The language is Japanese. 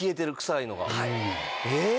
えっ？